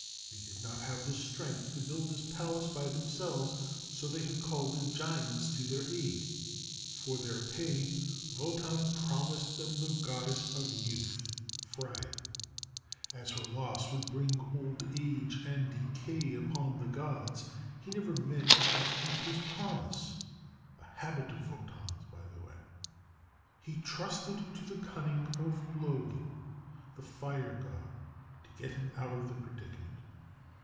They did not have the strength to build this palace by themselves, so they had called the giants to their aid. For their pay Wotan promised them the goddess of youth, Freia. As her loss would bring old age and decay upon the gods, he never meant to keep his promise a habit of Wotan's, by the way. He trusted to the cunning of Loge (Ló gee), the Fire god, to get him out of the predicament.